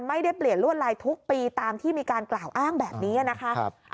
ไม่ได้เปลี่ยนลวดลายทุกปีตามที่มีการกล่าวอ้างแบบนี้นะคะ